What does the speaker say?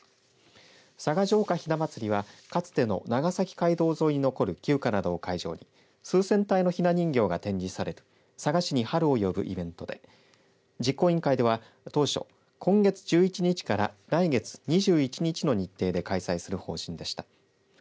佐賀城下ひなまつりはかつての長崎街道沿いに残る旧家などを会場に数千体のひな人形が展示される佐賀市に春を呼ぶイベントで実行委員会では当初、今月１１日から来月２１日の日程で開催する方針でした。